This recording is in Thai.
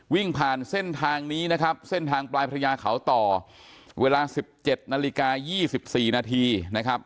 วิ่งผ่านเส้นทางนี้นะครับเส้นทางปลายพระยาเขาต่อเวลา๑๗นาฬิกา๒๔นาทีนะครับ